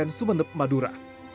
kabupaten sumeneb madura